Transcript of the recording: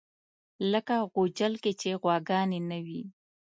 لکه غوجل کې چې غواګانې نه وي.